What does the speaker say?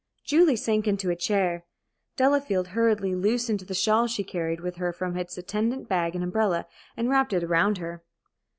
Julie sank into a chair. Delafield hurriedly loosened the shawl she carried with her from its attendant bag and umbrella, and wrapped it round her.